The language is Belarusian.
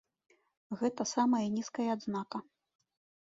Гэта самая нізкая адзнака.